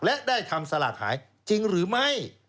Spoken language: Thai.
และได้ทำสลากหายจริงหรือไม่